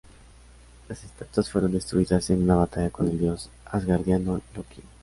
Las estatuas fueron destruidas en una batalla con el Dios Asgardiano, Loki.